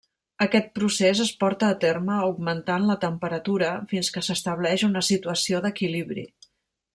Aquest procés es porta a terme augmentant la temperatura fins que s'estableix una situació d'equilibri.